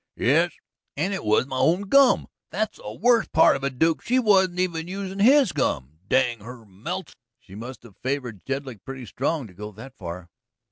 "Yes, and it was my own gum. That's the worst part of it, Duke; she wasn't even usin' his gum, dang her melts!" "She must have favored Jedlick pretty strong to go that far."